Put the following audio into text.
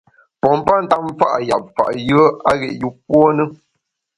Pompa ntap mfa’ yap fa’ yùe a ghét yûpuo ne.